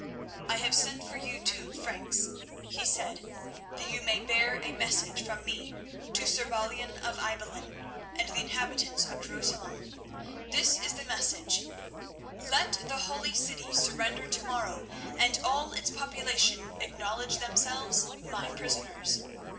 "I have sent for you two Franks," he said, "that you may bear a message from me to Sir Balian of Ibelin and the inhabitants of Jerusalem. This is the message:—Let the holy city surrender to morrow and all its population acknowledge themselves my prisoners.